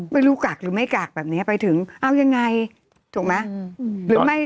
กักหรือไม่กักแบบนี้ไปถึงเอายังไงถูกไหม